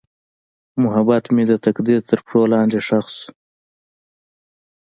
محبت مې د تقدیر تر پښو لاندې ښخ شو.